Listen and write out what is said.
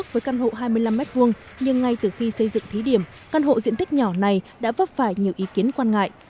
với căn hộ hai mươi năm m hai nhưng ngay từ khi xây dựng thí điểm căn hộ diện tích nhỏ này đã vấp phải nhiều ý kiến quan ngại